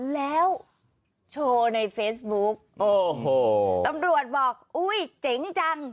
แล้วโชว์ในเฟซบุ๊กโอ้โหตำรวจบอกอุ้ยเจ๋งจัง